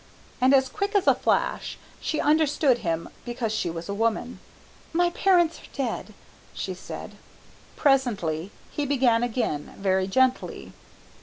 And as quick as a flash she understood him because she was a woman. "My parents are dead," she said. Presently he began again, very gently.